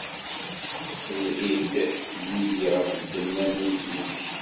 Lhi-d yid-i ɣef ddemma n yisem-ik.